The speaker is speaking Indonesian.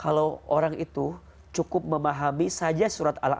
kalau orang itu cukup memahami saja surat allah